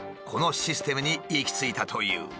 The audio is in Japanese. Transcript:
このシステムに行き着いたという。